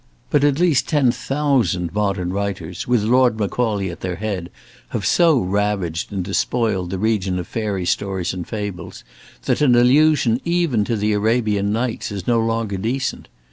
But at least ten thousand modern writers, with Lord Macaulay at their head, have so ravaged and despoiled the region of fairy stories and fables, that an allusion even to the "Arabian Nights" is no longer decent.